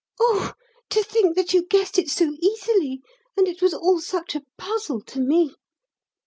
"Oh, to think that you guessed it so easily and it was all such a puzzle to me.